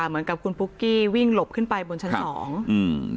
เหมือนกับคุณปุ๊กกี้วิ่งหลบขึ้นไปบนชั้นสองอืม